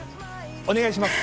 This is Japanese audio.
お願いします！